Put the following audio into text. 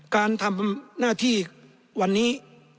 การทำหน้าที่วันนี้